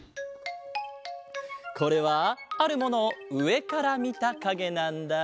これはあるものをうえからみたかげなんだ。